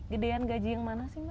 gedean gaji yang mana sih mbak